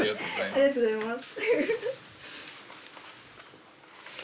ありがとうございます。